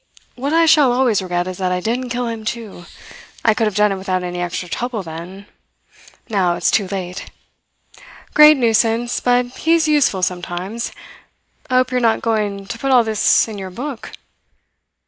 What I shall always regret is that I didn't kill him, too. I could have done it without any extra trouble then; now it's too late. Great nuisance; but he's useful sometimes. I hope you are not going to put all this in your book?"